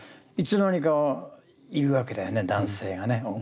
いつの間にかいるわけだよね男性がね。